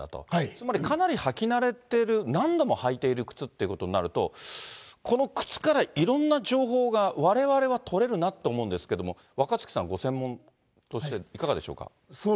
つまりかなり履き慣れてる、何度も履いている靴っていうことになると、この靴からいろんな情報がわれわれは取れるなって思うんですけれども、若槻さん、ご専門としていかがでしょうか？